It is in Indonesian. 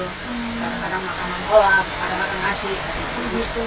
makanan kolam ada makanan nasi gitu kalau seadulah sukanya makan apa